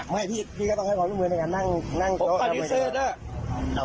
ไม่พี่ก็ต้องให้พรุ่งมือด้วยกันนั่งโต๊ะ